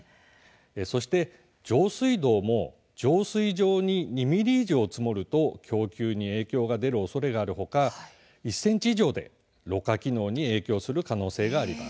そして上水道も浄水場に２ｍｍ以上積もると供給に影響が出るおそれがあるほか１ｃｍ以上で、ろ過機能に影響する可能性があります。